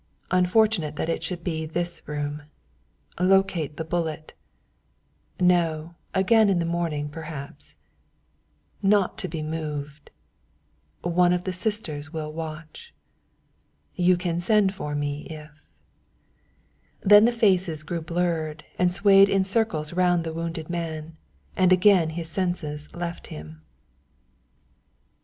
" unfortunate that it should be this room locate the bullet no, again in the morning perhaps not to be moved one of the sisters will watch you can send for me if " Then the faces grew blurred and swayed in circles round the wounded man, and again his senses left him.